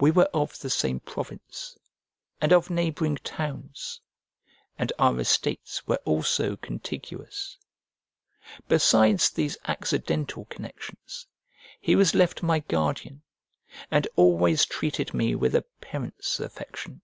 We were of the same province, and of neighbouring towns, and our estates were also contiguous. Besides these accidental connections, he was left my guardian, and always treated me with a parent's affection.